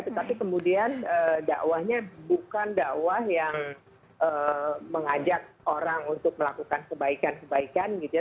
tetapi kemudian dakwahnya bukan dakwah yang mengajak orang untuk melakukan kebaikan kebaikan gitu ya